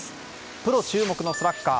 プロ注目のスラッガー